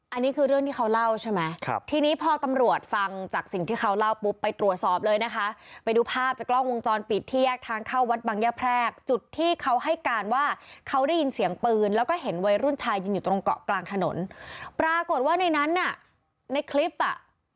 อันนี้คือเรื่องที่เขาเล่าใช่ไหมครับทีนี้พอตำรวจฟังจากสิ่งที่เขาเล่าปุ๊บไปตรวจสอบเลยนะคะไปดูภาพจากกล้องวงจรปิดที่แยกทางเข้าวัดบังยะแพรกจุดที่เขาให้การว่าเขาได้ยินเสียงปืนแล้วก็เห็นวัยรุ่นชายยืนอยู่ตรงเกาะกลางถนนปรากฏว่าในนั้นน่ะในคลิปอ่ะ